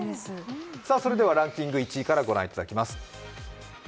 それではランキング１位からご覧いただきます。